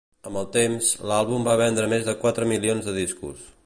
Amb el temps, l'àlbum va vendre més de quatre milions de discos.